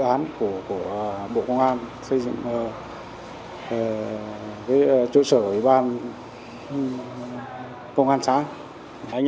anh em công an xã